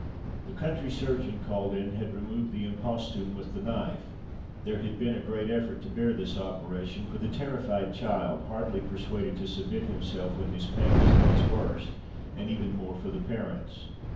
The country surgeon called in, had removed the imposthume with the knife. There had been a great effort to bear this operation, for the terrified child, hardly persuaded to submit himself, when his pain was at its worst, and even more for the parents.